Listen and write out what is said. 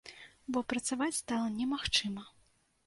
Бо працаваць стала немагчыма.